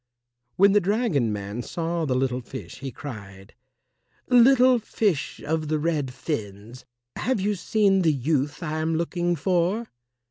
When the dragon man saw the little fish, he cried, "Little fish of the red fins, have you seen the youth I am looking for?"